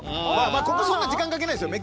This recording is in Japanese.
ここそんな時間かけないですよ